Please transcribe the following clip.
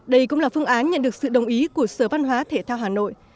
đây cũng là phương án nhận được sự đồng ý của sở văn hóa thể thao hà nội